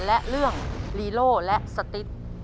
และเรื่องลีโล่และสติ๊ก